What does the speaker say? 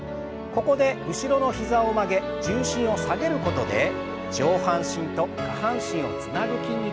ここで後ろの膝を曲げ重心を下げることで上半身と下半身をつなぐ筋肉をストレッチします。